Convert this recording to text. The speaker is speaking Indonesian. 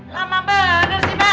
lama bener sih mbah